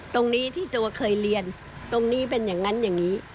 ตรงนี้ที่ตัวเคยเรียนตรงนี้เป็นอย่างนั้นอย่างนี้